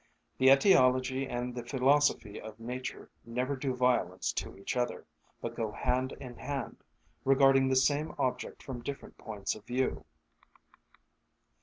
The etiology and the philosophy of nature never do violence to each other, but go hand in hand, regarding the same object from different points of view.